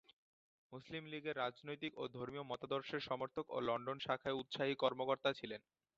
মুসলিম লীগের রাজনৈতিক ও ধর্মীয় মতাদর্শের সমর্থক ও লন্ডন শাখার উৎসাহী কর্মকর্তা ছিলেন।